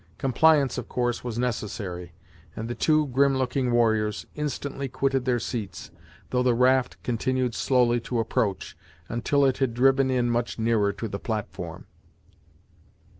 Compliance, of course, was necessary, and the two grim looking warriors instantly quitted their seats, though the raft continued slowly to approach, until it had driven in much nearer to the platform.